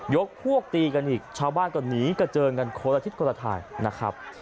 พวกตีกันอีกชาวบ้านก็หนีกระเจิงกันคนละทิศคนละทางนะครับ